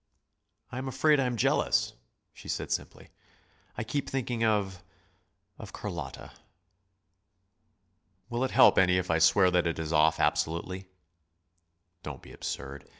"I am afraid I am jealous," she said simply. "I keep thinking of of Carlotta." "Will it help any if I swear that that is off absolutely?" "Don't be absurd.